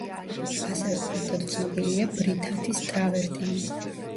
ასევე ფართოდ ცნობილია ბრითათის ტრავერტინი.